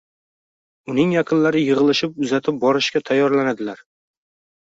Uning yaqinlari yig’ilishib uzatib borishga tayyorlanadilar.